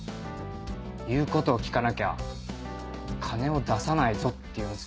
言うことを聞かなきゃ金を出さないぞって言うんですか？